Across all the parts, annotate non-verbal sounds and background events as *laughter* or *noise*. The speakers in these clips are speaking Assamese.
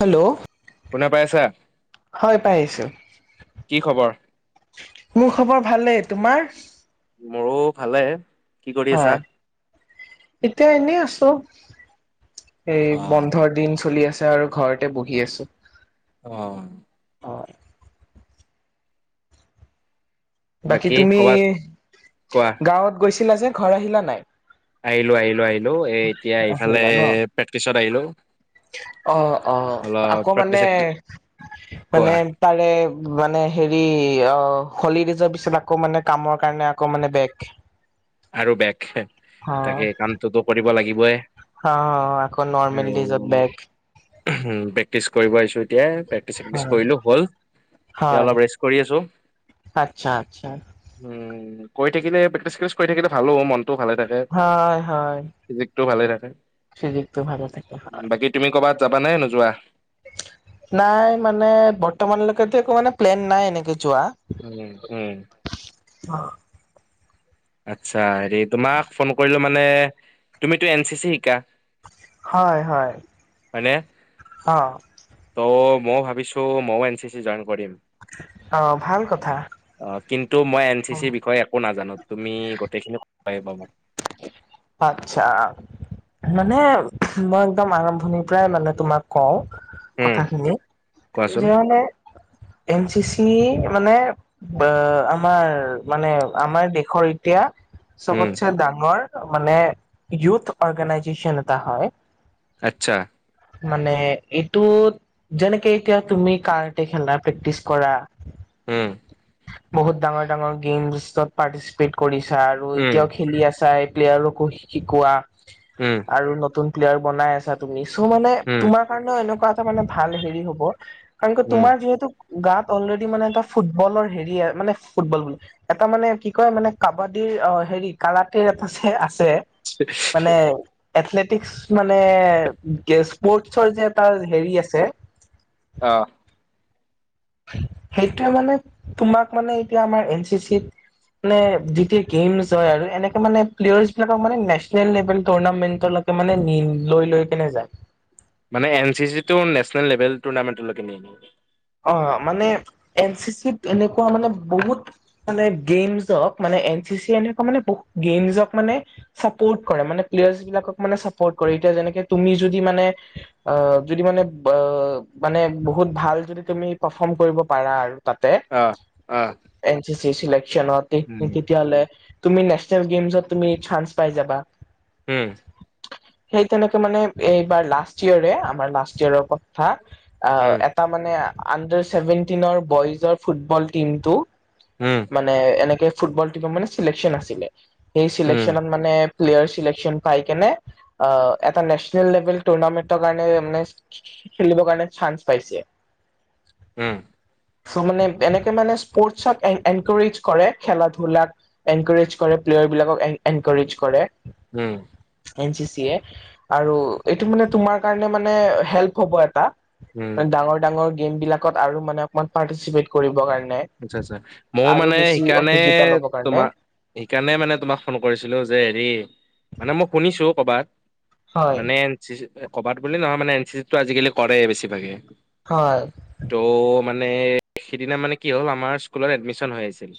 হেল্ল', শুনা পাইছা হয় পাই আছোঁ। কি খবৰ? মোৰ খবৰ ভালে, তোমাৰ? মোৰো ভালে। কি কৰি আছা? হয়। এতিয়া এনে আছোঁ। এ অ বন্ধৰ দিন চলি আছে আৰু ঘৰতে বহি আছোঁ। অ'। বাকী তুমি কোৱা গাওঁত গৈছিলা যে, ঘৰ আহিলা নাই? আহিলোঁ, আহিলোঁ, আহিলোঁ। এ এতিয়া এইফালে আহিলা ন প্ৰেক্টিচত আহিলোঁ। অ' অ'। আকৌ মানে মানে কোৱা তাৰে মানে হেৰি অ' হলিডেজ পিছত আকৌ মানে কামৰ কাৰণে আকৌ মানে বেগ। আৰু বেক। তাকে কামটোতো কৰিব লাগিবই। অহ' আকৌ নৰ্মেল ডিজত বেগ। উম, বেগ ক্টিচ কৰিব আহিছোঁ এতিয়া, প্ৰেক্টিচ চেক্টিচ হয় কৰিলোঁ হ'ল, এতিয়া হয় অলপ ৰেষ্ট কৰি আছোঁ। আচ্ছা, আচ্ছা। উম, কৰি থাকিলে প্ৰেক্টিচছ *unintelligible* কৰি থাকিলে ভালোঁ হ'ব মনটো ভালে থাক হয়, হয়। ফিজিকটো ভালে থাকে। ফিজিকটো ভালে থাকে হয়। বাকী তুমি ক'বাত যাবানে, নোযোৱা? নাই মানে বৰ্তমানলৈকে টো একো মানে প্লেন নাই এনেকে যোৱা। উম, উম। অ' আচ্ছা, হেৰি তোমাক ফোন কৰিলোঁ মানে তুমিতো এন চি চি শিকা। হয়, হয়, হয়নে অ' ত মও ভাবিছোঁ ময়ো এন চি চি জইন কৰিম। অ ভাল কথা। অ' কিন্তু মই এন চি চিৰ বিষয়ে একো নাজানোঁ। তুমি গোটেইখিনি ক'ব লাগিব মোক আতচ্ছা। মানে মই একদম আৰম্ভণিৰ পৰাই মানে তোমাক কওঁ উম কথাখিনি কোৱাচোন যে মানে এন চি চি মানে বা আমাৰ মানে আমাৰ দেশৰ এতিয়া উম চবতছে ডাঙৰ মানে ইউথ অৰ্গেনাইজেশ্যচন এটা হয়। আচ্ছা। মানে এইটোত যেনেকে এতিয়া তুমি কাৰতে খেলা, প্ৰেক্টিচ কৰা উম। বহুত ডাঙৰ ডাঙৰ গেমছত পাৰ্টিচিপেট কৰিছা আৰু উম এতিয়াও খেলি আছা। প্লেলেয়াৰকো শিকোৱা। উম। আৰু নতুন প্লেয়াৰ বনাই আছা তুমি চ' মানে উম তোমাক কাৰণ এনেকুৱা এটা মানে ভাল হেৰি হ'ব কাৰণ উম তোমাৰ যিহেতু গাত অলৰেডি মানে এটা ফুটবলৰ হেৰি মানে ফুটবল বোলে এটা মানে কি কয় মানে কাবাডীৰ অ' হেৰি কাৰাটেৰ আছে, আছে মানে এথলেটিকস মানে স্পৰ্টছৰ যে এটা হেৰি আছে। অ সেইটোৱে মানে তোমাক মানে এতিয়া আমাৰ এন চি চিত মানে যেতিয়া গেমছ হয় আৰু এনেকে মানে প্লেয়াৰ্চ বিলাকক মানে নেচনেল লেভেল টুৰ্ণামেন্টৰ লগত মানে নি লৈ লৈ কেনে যায়। মানে এন চি চি টো নেনেল লেভেল টুৰ্নামেণ্টলৈকে নিয়ে অ মানে এন চি চি ত এনেকুৱা মানে বহুত মানে গেমছক মানে এন চি এনেকুৱা মানে বহুত গেমজক মানে চাপ'ৰ্ট কৰে মানে প্লেয়াৰ্চ বিলাকক মানে চাপ'ৰ্ট কৰে এতিয়া যেনেকে তুমি যদি মানে অ যদি মানে অ মানে বহুত ভাল যদি তুমি প্ৰফম কৰিব পাৰা আৰু তাতে অ অ এন চি চি চিলেকচনত তেত উম তেতিয়াহলে তুমি নেশচনেল গেমছত তুমি চান্স পাই যাবা। উম সেই তেনেকে মানে এইবাৰ লাষ্ট ইয়েৰে আমাৰ লাষ্ট ইয়েৰৰ কথা। আ উম এটা মানে আণ্ডাৰ ছেভেনটিনৰ বইজৰ ফুটবল টিমটো উম মানে এনেকে ফুটবল টিমক মানে চিলেকচন আছিলে সেই উম চিলেকচনত মানে প্লেয়াৰ চিলেকচন পাই কেনে অ এটা নেশচনেল লেভেল টুৰ্ণামেন্টৰ কাৰণে মানে খেলিবৰ কাৰণে চান্স পাইছে। উম চ' মানে এনেকে মানে স্পৰ্টচক এন এনকৌৰিজ কৰে খেলা ধূলাক এনকৌৰেজ কৰে প্লেয়াৰ বিলাকক এন এনকৌৰেজ কৰে। উম। এন চি চি এ আৰু এইটো মানে তোমাৰ কাৰণে মানে হেল্প হ'ব এটা। উম মানে ডাঙৰ ডাঙৰ গেম বিলাকত আৰু মানে অকমান পাৰ্টিচিপেট কৰিবৰ কাৰণে। আচ্ছা আচ্ছা, মও আৰু মানে বেছি সেইকাৰণে অভিজ্ঞতা ল'ব কাৰণে তোমা সেইকাৰণে মানে তোমাক ফোন কৰিছিলো যে হেৰি, মানে মই শুনিছো কবাত। হয় মানে এন চি চি কবাত বুলি নহয় মানে এন চি চিটো আজিকালি কৰেই বেছিভাগে। হয়। ত' মানে সিদিনা মানে কি হ'ল আমাৰ স্কুলত এডমিশন হৈ আছিল।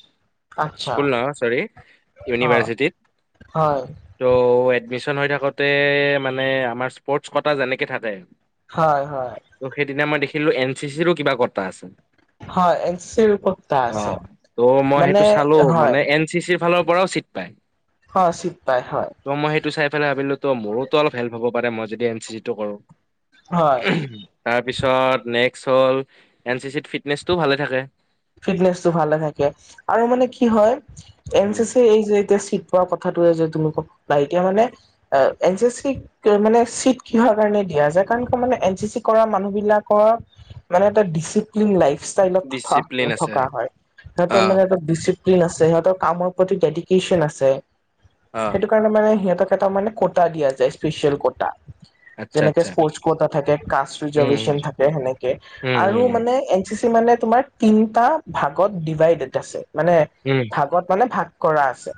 আচ্ছা স্কুল নহয় চৰি অ ইউনিভাৰ্চিটিত হয় ত' এডমিশন হৈ থাকোতে মানে আমাৰ স্পৰ্টচ কটা যেনেকে থাকে। হয় হয়। ত' সেইদিনা মই দেখিলো এন চি চিৰো কিবা কটা আছে। হয় এন চি উপ অঁ ত' মই সেইটো চালো হয় মানে এন চি চিৰ ফালৰ পৰাও চিট পায়। হয় চিত পাই হয়। ত' মই সেইটো চাই ভাবিলো ত মোৰো ত অলপ হেল্প হ'ব পাৰে মই যদি এন চি চিটো কৰোঁ। হয় তাৰপিছত নেক্সট হ'ল এন চি চিত ফিটনেচটোও ভালে থাকে। ফিটনেচটো ভালে থাকে, আৰু মানে কি হয় এন চি চি এই যে এতিয়া চিত পোৱা কথাটোৱে যে তুমি ক, বা এতিয়া মানে এ এন চি চি মানে চিট কিহৰ কাৰণে দিয়া যায়, কাৰণ কি মানে এন চি চি কৰা মানুহ বিলাকৰ মানে এটা ডিচিপ্লিন লাইফ ষ্টাইলত থ ডিচিপ্লিন আছে থকা হয়, সিহতৰ অ', মানে এটা ডিচিপ্লিন আছে সিহঁতৰ কামৰ প্ৰতি ডেডিকেশ্যন আছে, অ', সেইটো কাৰণে মানে সিহঁতক এটা মানে কটা দিয়া যায় স্পেচিয়েল কটা। আচ্ছা যেনেকে আচ্ছা স্পৰ্ট কটা থাকে, কাষ্ট উম, ৰিজাৰভেশচন থাকে সেনেকে, উম, আৰু উম, মানে এন চি চি মানে তোমাৰ তিনটা ভাগত ডিভাইডেড আছে, মানে উম। আগত মানে ভাগ কৰা আছে,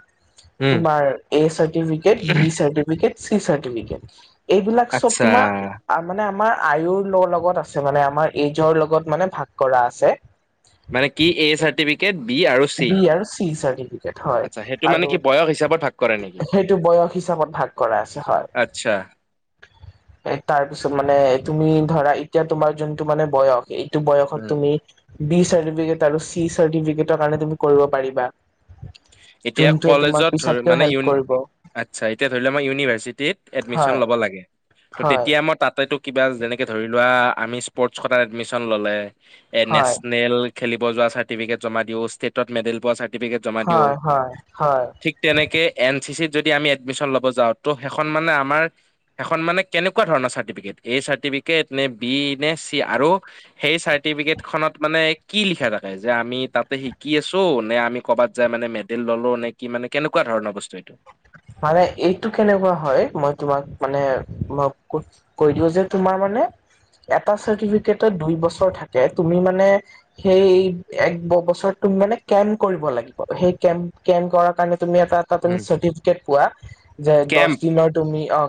উম, তোমাৰ A certificate, B certificate C certificate, এইবিলাক চ'ব আচ্ছা তোমাৰ মানে আমাৰ আয়ুৰ লগ লগত আছে, মানে আমাৰ এইজৰ লগত মানে ভাগ কৰা আছে। মানে কি এ চাৰ্টিফি কেট, বি আৰু চি, বি আৰু চি চাৰ্টিফিকেট হয় আচ্ছা সেইটো মানে আৰু কি বয়স হিচাপত ভাগ কৰে নেকি? সেইটো বয়স হিচাপত ভাগ কৰা আছে হয়। আচ্ছা। এ তাৰপিছত মানে তুমি ধৰা এতিয়া তোমাৰ যোনটো মানে বয়স, এই টো বয়ত উম, তুমি বি চাৰ্টিফিকেট আৰু চি চাৰ্টিফিকেটৰ কাৰণে তুমি কৰিব পাৰিবা। এতিয়া যোনটোৱে তোমাক কলেজত ধৰ পিছতকেও মানে হেল্প ইউ কৰিব আচ্ছা এতিয়া ধৰিলোৱা মই ইউনিভাৰ্চিটিত এডমিশ্যন হয় লবা লাগে, ত হয় তেতিয়া মই তাতেটোৰ কিবা যেনেকে ধৰি লোৱা আমি স্প'ৰ্টচ কোটাত এডমিশ্যন ল'লে, এ হয় নেচনেল খেলিব যোৱা চাৰ্টিফিকেট জমা দিওঁ, ষ্টেটত মেডেল পোৱা চাৰ্ট হয়, হয়, হয়। ঠিক তেনেকে এন চি চিত যদি আমি এডমিশ্যন ল'ব যাওঁ, ত সেইখন মানে আমাৰ এখন মানে কেনেকুৱা ধৰণৰ চাৰ্টিফিকেট? এ চাৰ্টিফিকেট নে বি নে চি? আৰু সেই চাৰ্টিফিকেট খনত মানে কি লিখা থাকে যে আমি তাতে শিকি আছোঁ নে আমি ক'ৰবাত যায় মানে মেড ডেল ললোঁ, নে কি মানে কেনেকুৱা ধৰণৰ বস্তু এইটো? মানে এইটো কেনেকুৱা হয়, মই তোমাক মানে ম ক'ত কৈ দিওঁ যে তোমাৰ মানে, এটা চাৰ্টিফিকেটত দুই বছৰ থাকে তুমি মানে, সেই এক বছৰত তুমি মানে কেম্প কৰিব লাগিব। সেই কেম্প-কেম্প কৰাৰ কাৰণে তুমি এটা *unintelligible* তুমি উম, চাৰ্টিফিকেট পোৱা, যে কেম্প দহ দিনৰ তুমি অ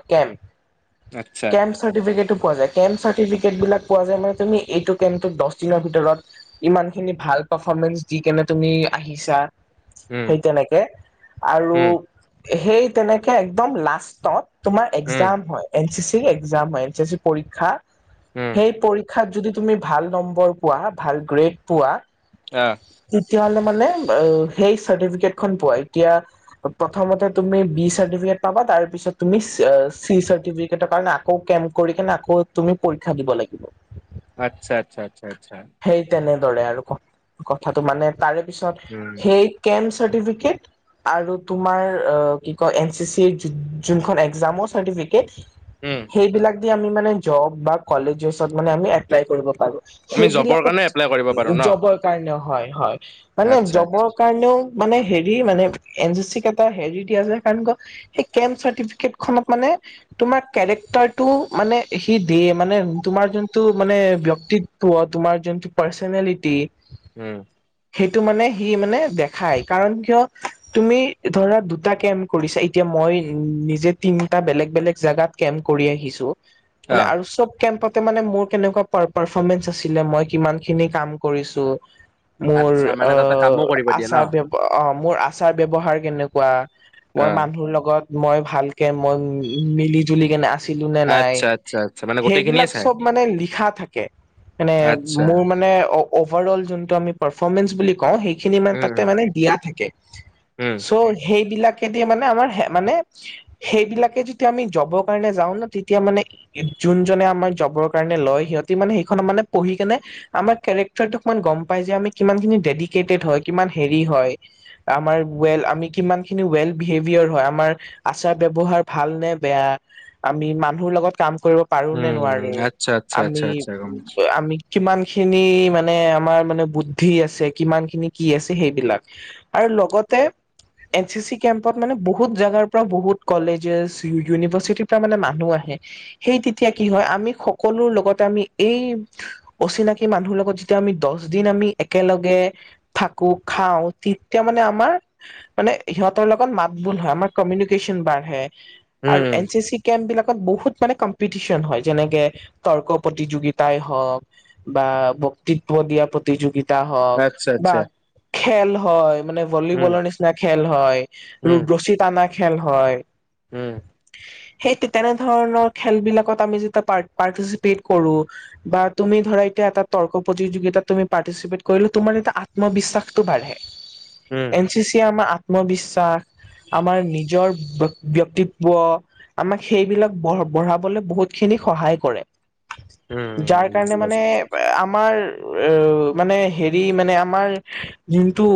আচ্ছা কেম্প। কেম্প চাটিফিকেটো পোৱা যায়, কেম্প চাৰ্টিফিকেট বিলাক পোৱা যায় মানে তুমি এইটো কেম্পটো দহ দিনৰ ভিতৰত ইমান খিনি ভাল পাৰফৰ্মেন্ঞ্চ দি কেনে তুমি আহিছা! উম সেই তেনেকে, আৰু উম সেই তেনেকে একদম লাষ্টত তোমাৰ উম এক্সাম হয়, এন চি চি এক্সাম হয় এন চি চি পৰীক্ষা, উম সেই *unintelligible* *unintelligible* যদি ভাল নম্বৰ পোৱা, ভাল গ্ৰেড পোৱা, অহ' তেতিয়া হ'লে মানে সেই চাৰ্টিফিকেট খন পোৱা। এতিয়া *unintelligible* তুমি বি চাৰ্টিফিকেট পাবা, তাৰপিছত তুমি চি চাৰ্টিফিকেৰ কাৰণে *unintelligible* কেম্প কৰি কিনে, আকৌ তুমি পৰীক্ষা দিব লাগিব। আচ্ছা, আচ্ছা, আচ্ছা, আচ্ছা। সেই তেনেদৰে আৰু ক্ কথাটো মানে তাৰে পিছত, উম সেই কেম্প চাৰ্টিফিকেট আৰু তোমাৰ কি কয়, এন চি চিৰ যো যোনখন এক্সামৰ চাৰ্টিফিকেট, উম সেইবিলাক দি আমি মানে জব বা কলেজেছত মানে আমি এপ্লাই কৰিব পাৰোঁ। আমি জবৰ সেইবিলাকত কাৰণে এপ্লাই কৰিব পাৰো ন *unintelligible* কাৰণেও হয়, হয়। মানে আচ্ছা জবৰ আচ্ছা কাৰণেও মানে হেৰি মানে এন চি চি *unintelligible* হেৰি দিয়ে যে, *unintelligible* সেই কেম্প চাৰ্টিফিকেট খনত মানে, তোমাৰ কেৰেক্টাৰটো মানে সি দিয়ে, মানে তোমাৰ যোনটো মানে ব্যক্তি *unintelligible* তোমাৰ যোনটো পৰ্চনেলিটি, উম। সেইটো মানে সি মানে দেখায়, কাৰণ কিয়, তুমি ধৰা দুটা কেম্প কৰিছা। এতিয়া মই নিজে তিনিটা বেলেগ বেলেগ জেগাত কেম্প কৰি আহিছোঁ, অ মানে আৰু চ'ব কেম্পতে মানে মোৰ কেনেকুৱা পাৰ পাৰফমেঞ্চ আছিলে, মই কিমান খিনি কাম কৰিছোঁ মোৰ, আচ্ছা মানে তাতে কামো কৰিব অ' দিয়ে ন আচাৰ *unintelligible* অ' মোৰ আচাৰ ব্যৱহাৰ *unintelligible* অ মই মানুহৰ লগত মই ভালকে মই উম, মিলি-জুলি কেনে *unintelligible* ছিলো নে নাই, আচ্ছা আচ্ছা আচ্ছা *unintelligible* সেইবিলাক চাই চব মানে লিখা থাকে। মানে আচ্ছা মোৰ মানে *unintelligible* অভাৰঅল যোনটো আমি পাৰফৰ্মেঞ্চ বুলি কওঁ, সেইখিনি *unintelligible* তাতে উম মানে দিয়া থাকে। উম চ' সেইবিলাকেদি মানে আমাৰ *unintelligible* মানে, সেইবিলাকে যেতিয়া আমি জবৰ কাৰণে যাওঁ ন, তেতিয়া মানে যোনজনে আমাক জবৰ কাৰণে লয়, সিহঁতি মানে সেইখনত মানে পঢ়ি কেনে, আমাৰ কেৰেক্টাৰটো অকমান গম পাই যাই, আমি কিমান খিনি ডেডিকেটেড হয়, কিমান হেৰি হয়! আমাৰ ৱেল, আমি কিমান খিনি ৱেল বিহেভিয়েৰ হয়, আমাৰ আচাৰ ব্যৱহাৰ ভাল নে বেয়া, আমি মানুহৰ লগত কাম কৰিব পাৰো নে উম উম নোৱাৰো আচ্ছা আচ্ছা আমি, আচ্ছা আচ্ছা গম পাইছো *unintelligible* আমি কিমান খিনি মানে আমাৰ মানে বুদ্ধি আছে, কিমান খিনি কি আছে সেইবিলাক। আৰু লগতে এন চি চি কেম্পত মানে বহুত জাগাৰ পৰা বহুত কলেজেছ, ইউ ইউনিভাৰ্চিটিৰ পৰা মানে মানুহ আহে। সেই তেতিয়া কি হয়, আমি সকলোৰ লগতে আমি এই অচিনাকি মানুহৰ লগত যেতিয়া আমি, দচ দিন আমি একেলগে, থাকো, খাওঁ তেতিয়া মানে আমাৰ মানে সিহঁতৰ লগত মাত বোল হয়, আমাৰ কমিউনিকেশ্যন বাঢ়ে। আৰু উম এন চি চি কেম্পবিলাকত বহুত মানে কম পিটিচন হয়। যেনেকে তৰ্ক প্ৰতিযোগিতাই হওঁক, বা বক্তিত্ব দিয়া প্ৰত তিযোগিতা হওঁক, আচ্ছা বা আচ্ছা খেল হয় মানে ভ উম বলৰ নিচিনা খেল হয়, ৰো ৰছী টানা খেল হয় ওম। সেই তেনেধৰণৰ খেলবিলাকত আমি যেতিয়া পাৰত পাৰতিসিপেট কৰো বা তুমি ধৰা এতিয়া এটা তৰ্ক প্ৰতিযোগিতাত তুমি পাৰ্টিচিপেট কৰিলে, তোমাৰ এটা আত্মবিশ্বাসটো বাঢ়ে। উ। *unintelligible* আমা আত্মবিশ্বাস, আমাৰ নিজৰ ব্যক্তিব্য আমাক সেইবিলাক বঢ বঢ়াবলে বহুতখিনি সহায় কৰে। উম যাৰ কাৰণে বুজি মানে পাইছো বুজি আমাৰ এ মানে হেৰি মানে আমাৰ যোনটো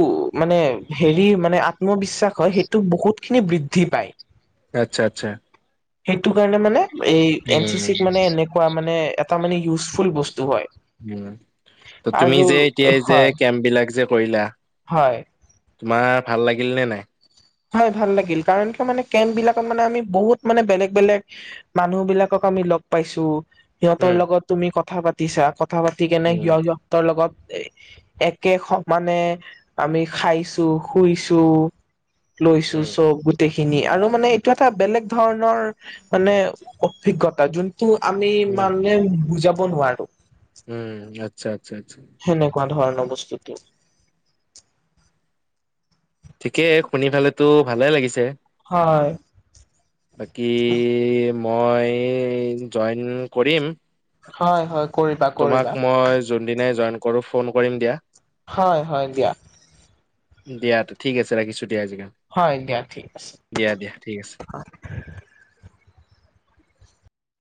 মানে হেৰি মানে আত্মবিশ্বাস হয় সেইটো বহুতখিনি বৃদ্ধি পায়। আত্চ্ছা আত্চ্ছা। সেইটো কাৰণে মানে এই এন চি উম চিত মানে এনেকুৱা মানে এটা মানে ইউজফুল বস্তু হয়। উম ত তুমি আৰু যে এতিয়া এই যে হয় কেম্পবিলাক যে কৰিলা হয় তোমাৰ ভাল লাগিল নে নাই? হয় ভাল লাগিল। কাৰণ কিয় মানে কেম্পবিলাকত মানে আমি বহুত মানে বেলেগ, বেলেগ মানুহবিলাকক আমি লগ পাইছো। সিহঁতৰ উম, লগত তুমি কথা পাতিছা, কথা পাতি কেনে উম, সিয় সিহ তৰ লগত একে সমানে আমি খাইছো, শুইছো। লৈছো উম, চব, গোট টেইখিনি, আৰু মানে এইটো এটা বেলেগ ধৰণৰ মানে অভিজ্ঞতা যোন টো আমি উম, মানে বুজাব নোৱাৰো। উম আচ্ছা, আচ্ছা, আচ্ছা। সেনেকুৱা ধৰণৰ বস্তুটো। ঠিকেই, শুনি ফালেতো ভালে লাগিছে। হয়। বাকী মই জইন কৰিম। হয় হয়। কৰিবা তোমাক কৰিবা মই যোনদিনে জইন কৰো ফোন কৰিম দিয়া। হয় হয় দিয়া। দিয়া ঠিক আছে ৰাখিছো দিয়া আজিকাণ হয় দিয়া ঠিক আছে। আছে।